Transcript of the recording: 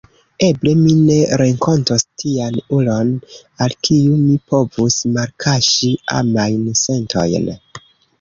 Eble mi ne renkontos tian ulon, al kiu mi povus malkaŝi amajn sentojn.